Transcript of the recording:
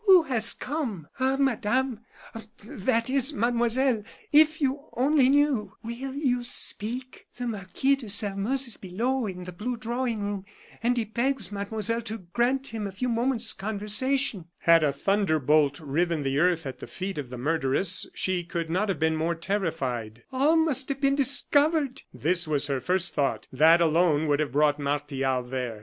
"Who has come?" "Ah, Madame that is, Mademoiselle, if you only knew " "Will you speak?" "The Marquis de Sairmeuse is below, in the blue drawing room; and he begs Mademoiselle to grant him a few moments' conversation." Had a thunder bolt riven the earth at the feet of the murderess, she could not have been more terrified. "All must have been discovered!" this was her first thought. That alone would have brought Martial there.